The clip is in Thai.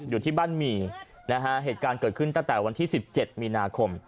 อยู่ที่บ้านหมี่นะฮะเหตุการณ์เกิดขึ้นตั้งแต่วันที่๑๗มีนาคม